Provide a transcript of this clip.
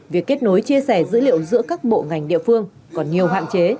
việc kết nối chia sẻ dữ liệu giữa các bộ ngành địa phương còn nhiều hạn chế